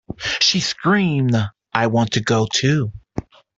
She screamed; "I want to go, too!"